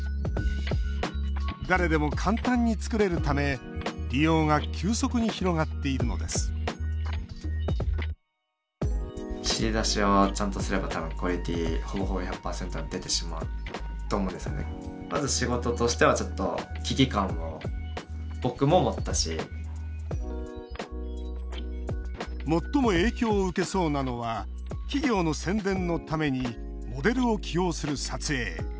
誰でも簡単に作れるため利用が急速に広がっているのです最も影響を受けそうなのは企業の宣伝のためにモデルを起用する撮影。